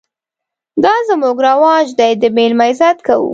_دا زموږ رواج دی، د مېلمه عزت کوو.